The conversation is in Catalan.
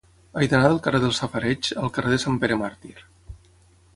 He d'anar del carrer dels Safareigs al carrer de Sant Pere Màrtir.